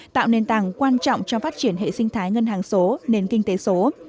tạo nền tảng quan trọng cho phát triển hệ sinh thái ngân hàng số nền kinh tế số